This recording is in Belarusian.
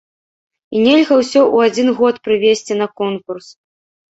І нельга ўсё ў адзін год прывезці на конкурс.